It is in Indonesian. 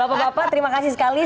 bapak bapak terima kasih sekali